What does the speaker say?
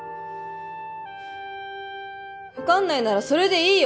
分かんないならそれでいいよ！